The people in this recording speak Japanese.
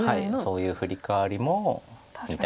そういうフリカワリも見たいです。